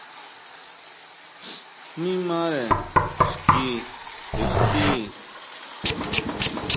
Mi mare xki ixti.